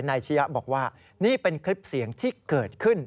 ชียะบอกว่านี่เป็นคลิปเสียงที่เกิดขึ้น